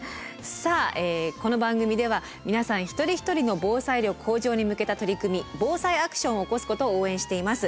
さあこの番組では皆さん一人一人の防災力向上に向けた取り組み防災アクションを起こすことを応援しています。